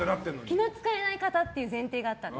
気の使えない方という前提があったので